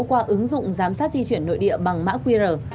qua ứng dụng giám sát di chuyển nội địa bằng mã qr